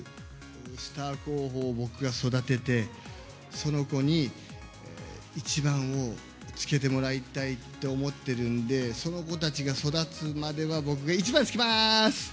スター候補を僕が育てて、その子に１番をつけてもらいたいと思ってるんで、その子たちが育つまでは、僕が１番つけまーす！